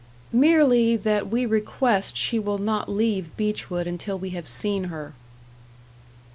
"Merely, that we request she will not leave Beechwood until we have seen her."